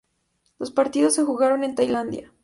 Los partidos se jugaron en Tailandia.